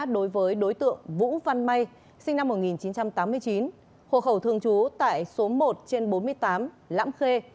đối với đối tượng vũ văn may sinh năm một nghìn chín trăm tám mươi chín hộ khẩu thường trú tại số một trên bốn mươi tám lãm khê